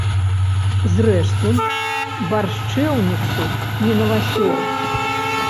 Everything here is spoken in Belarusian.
Зрэшты, баршчэўнік тут не навасёл.